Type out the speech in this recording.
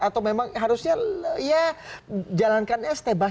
atau memang harusnya ya jalankannya setebas